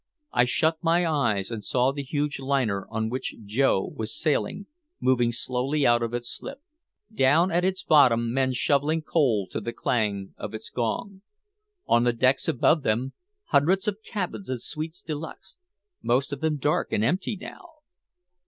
I shut my eyes and saw the huge liner on which Joe was sailing moving slowly out of its slip. Down at its bottom men shoveling coal to the clang of its gong. On the decks above them, hundreds of cabins and suites de luxe most of them dark and empty now.